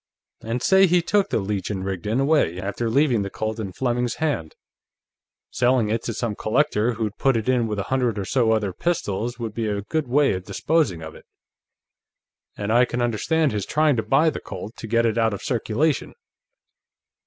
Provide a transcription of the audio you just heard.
And say he took the Leech & Rigdon away, after leaving the Colt in Fleming's hand; selling it to some collector who'd put it in with a hundred or so other pistols would be a good way of disposing of it. And I can understand his trying to buy the Colt, to get it out of circulation."